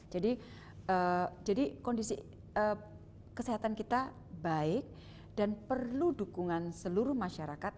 jadi kondisi kesehatan kita baik dan perlu dukungan seluruh masyarakat